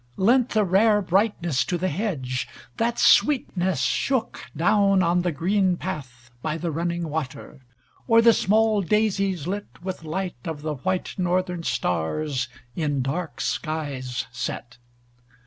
Lent the rare brightness to the hedge? That sweetness shook Down on the green path by the running water? Or the small daisies lit With light of the white northern stars In dark skies set?